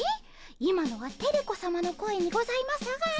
今のはテレ子さまの声にございますが。